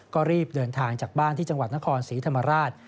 ก็รีบเดินทางจากบ้านที่จังหวัดนครศรีธรรมราช